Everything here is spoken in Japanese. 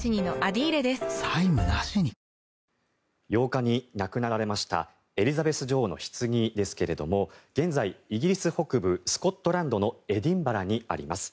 ８日に亡くなられましたエリザベス女王のひつぎですが現在、イギリス北部スコットランドのエディンバラにあります。